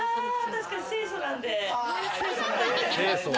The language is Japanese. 確かに、清楚なんで。